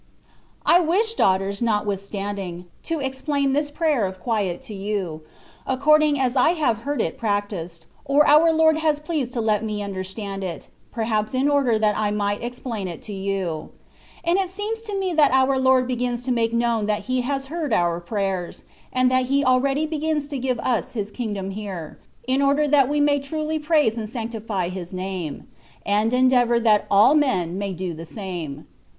I WISH, daughters, notwithstanding, to explain this Prayer of Quiet to you, according as I have heard it practised, or our Lord has pleased to let me understand it, perhaps in order that I might explain it to you; and it seems to me that our Lord begins to make known that He has heard our prayers, and that He already begins to give us His kingdom here, in order that we may truly praise and sanctify His name, and endeavour that all men may do the same.